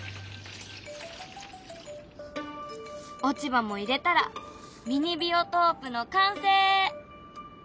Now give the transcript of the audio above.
落ち葉も入れたらミニビオトープの完成！